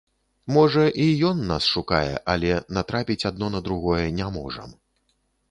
Можа і ён нас шукае, але натрапіць адно на другое не можам.